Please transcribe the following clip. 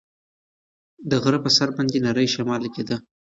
د غره په سر باندې نری شمال لګېده.